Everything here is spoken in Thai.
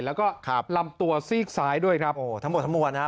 แล้วก็ลำตัวซีกซ้ายด้วยครับโอ้ทั้งหมดทั้งมวลนะฮะ